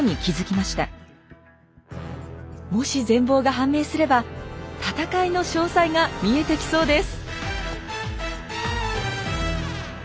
もし全貌が判明すれば戦いの詳細が見えてきそうです。